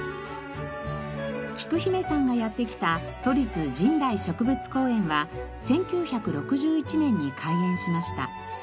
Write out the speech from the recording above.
きく姫さんがやって来た都立神代植物公園は１９６１年に開園しました。